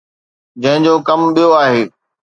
جنهن جو ڪم ٻيو آهي.